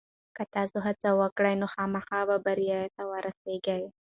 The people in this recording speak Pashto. که ته هڅه وکړې نو خامخا به بریا ته ورسېږې.